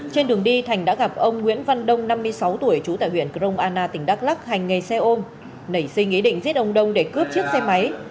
trên đường đi thành đã gặp ông nguyễn văn đông năm mươi sáu tuổi chú tại huyện crong ana tỉnh đắk lắk hành nghề xe ôm nảy suy nghĩ định giết ông đông để cướp chiếc xe máy